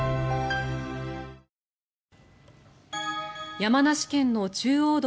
山梨県の中央道